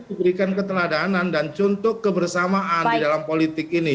diberikan keteladanan dan contoh kebersamaan di dalam politik ini